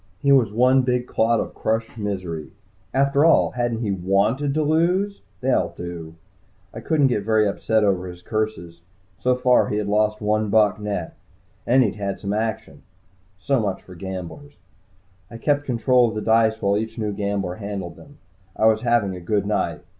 He was one big clot of crushed misery. After all, hadn't he wanted to lose? They all do. I couldn't get very upset over his curses. So far he had lost one buck, net. And he'd had some action. So much for gamblers. I kept control of the dice while each new gambler handled them. I was having a good night.